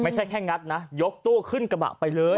ไม่ใช่แค่งัดนะยกตู้ขึ้นกระบะไปเลย